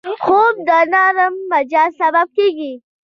خوب د نرم مزاج سبب کېږي